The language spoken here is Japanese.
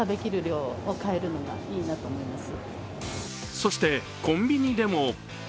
そしてコンビニでも。